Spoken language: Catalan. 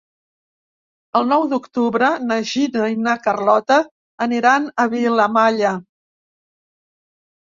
El nou d'octubre na Gina i na Carlota aniran a Vilamalla.